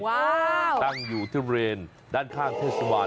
ว้าวตั้งอยู่ที่บริเวณด้านข้างเทศบาล